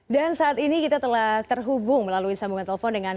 dan saat ini kita telah terhubung melalui sambungan telepon dengan